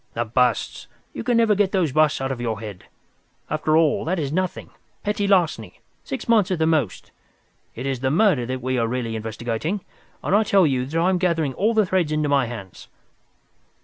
"The busts! You never can get those busts out of your head. After all, that is nothing; petty larceny, six months at the most. It is the murder that we are really investigating, and I tell you that I am gathering all the threads into my hands."